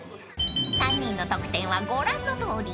［３人の得点はご覧のとおり］